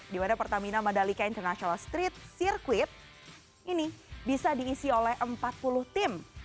di mana pertamina mandalika international street circuit ini bisa diisi oleh empat puluh tim